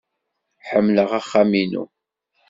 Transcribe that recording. Ḥemmleɣ axxam-inu.